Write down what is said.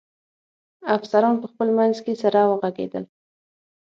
افسران په خپل منځ کې سره و غږېدل.